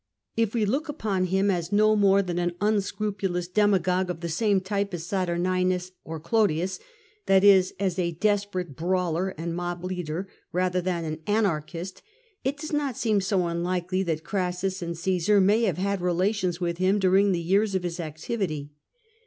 If we look upon him as no more than an unscrupulous demagogue of the same type as Saturninus or Clodius — that is, as a desperate brawler and mob leader rather than an anarchist — it does not seem so unlikely that Crassus and Cmsar may have had relations with him during the years of his activity.